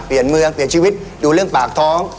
เปลี่ยนเมืองเปลี่ยนชีวิตดูเรื่องปากท้อง